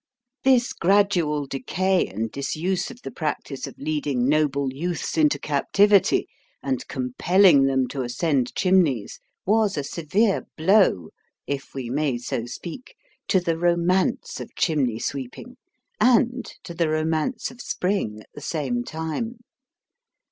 This gradual decay and disuse of the practice of leading noble 1 youths into captivity, and compelling them to ascend chimneys, was a severe blow, if we may so speak, to the romance of chimney sweeping, and to the romance of spring at the same time.